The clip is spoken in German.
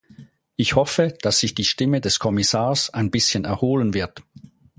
Ich hoffe, dass sich die Stimme des Kommissars ein bisschen erholen wird.